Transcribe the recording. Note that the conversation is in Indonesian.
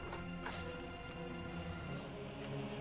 pergi ke sana